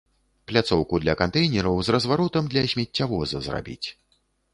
Пляцоўку для кантэйнераў з разваротам для смеццявоза зрабіць.